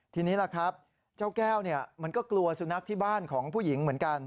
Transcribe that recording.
ทีนี้ล่ะครับเจ้าแก้วมันก็กลัวสุนัขที่บ้านของผู้หญิงเหมือนกัน